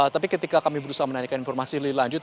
tapi ketika kami berusaha menanyakan informasi lebih lanjut